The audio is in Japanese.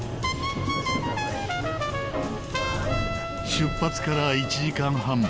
出発から１時間半。